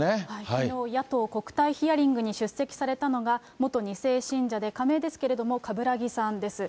きのう、野党国対ヒアリングに出席されたのが、元２世信者で、仮名ですけれども、冠木さんです。